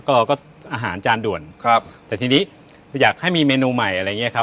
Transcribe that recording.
เราก็อาหารจานด่วนครับเท่าที่นี้อยากให้มีเมนูใหม่อะไรเงี้ยครับ